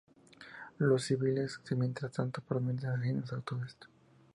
Los civiles, mientras tanto, permanecen ajenos a todo esto.